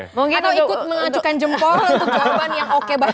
mungkin ikut mengajukan jempol untuk jawaban yang oke banget